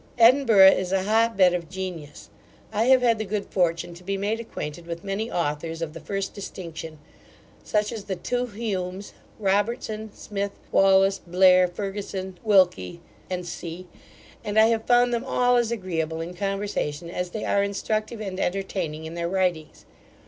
Edinburgh is a hot bed of genius. I have had the good fortune to be made acquainted with many authors of the first distinction; such as the two Humes, Robertson, Smith, Wallace, Blair, Ferguson, Wilkie, &c. and I have found them all as agreeable in conversation as they are instructive and entertaining in their writings.